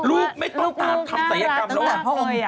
ลูกไม่ต้องตาพังทำสายอัตกรรมละ